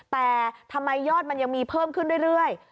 แต่ทำไมยอดมันยังมีเพิ่มขึ้นเรื่อย